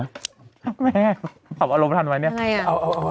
แม่ขับอารมณ์ทันไหมเนี่ย